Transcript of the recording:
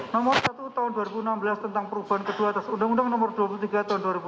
nomor satu tahun dua ribu enam belas tentang perubahan kedua atas undang undang nomor dua puluh tiga tahun dua ribu empat belas